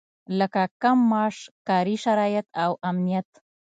لکه کم معاش، کاري شرايط او امنيت.